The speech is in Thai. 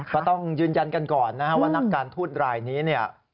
ก็ต้องยืนยันกันก่อนว่านักการทูตรายนี้